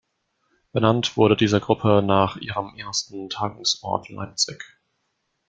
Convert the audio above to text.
Benannt wurde diese Gruppe nach ihrem ersten Tagungsort Leipzig.